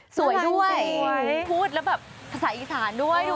สวยด้วยพูดแล้วแบบภาษาอีสานด้วย